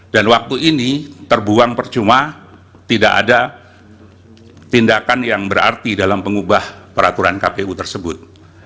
dan waktu ini terbuang percuma tidak ada tindakan yang berarti dalam pengubah peraturan kpu tersebut